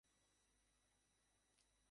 তোমাকে ভুলব কী করে?